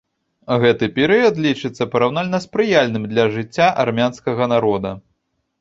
Гэты перыяд лічыцца параўнальна спрыяльным для жыцця армянскага народа.